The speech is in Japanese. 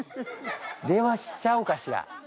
電話しちゃおうかしら。